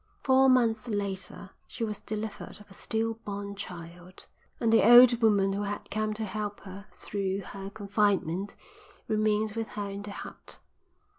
Four months later she was delivered of a still born child, and the old woman who had come to help her through her confinement remained with her in the hut.